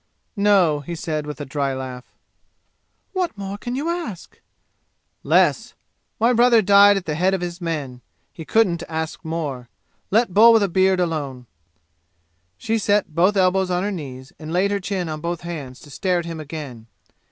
"No," he said, with a dry laugh. "What more can you ask?" "Less! My brother died at the head of his men. He couldn't ask more. Let Bull with a beard alone." She set both elbows on her knees and laid her chin on both hands to stare at him again.